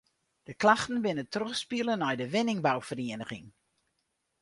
De klachten binne trochspile nei de wenningbouferieniging.